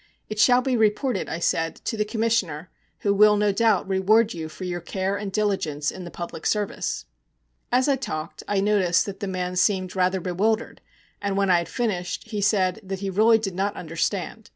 'It shall be reported,' I said, 'to the Commissioner, who will, no doubt, reward you for your care and diligence in the public service.' As I talked I noticed that the man seemed rather bewildered, and when I had finished he said that he really did not understand.